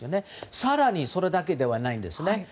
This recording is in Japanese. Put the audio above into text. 更に、それだけではないんです。